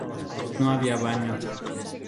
No había baños.